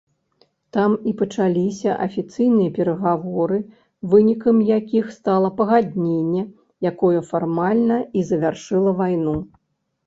Там і пачаліся афіцыйныя перагаворы, вынікам якіх стала пагадненне, якое фармальна і завяршыла вайну.